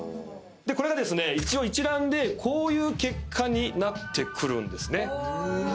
これがですね一応一覧でこういう結果になってくるんです。